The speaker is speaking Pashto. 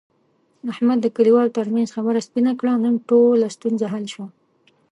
احمد د کلیوالو ترمنځ خبره سپینه کړه. نن ټوله ستونزه حل شوه.